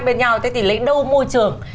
bên nhau thế thì lấy đâu môi trường